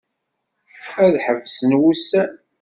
Ad ḥebsen wussan.